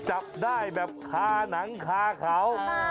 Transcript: จับได้แบบคาหนังคาเขา